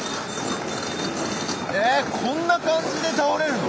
えこんな感じで倒れるの？